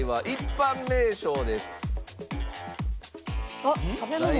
一般名称。